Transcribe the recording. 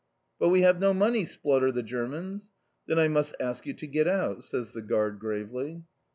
"But we have no money!" splutter the Germans. "Then I must ask you to get out," says the guard gravely.